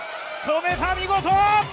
止めた、見事！